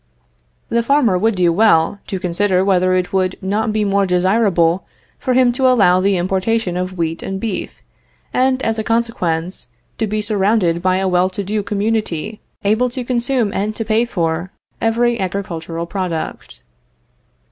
The farmer would do well to consider whether it would not be more desirable for him to allow the importation of wheat and beef, and, as a consequence, to be surrounded by a well to do community, able to consume and to pay for every agricultural product.